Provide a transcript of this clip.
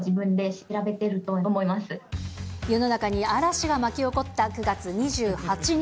世の中に嵐が巻き起こった９月２８日。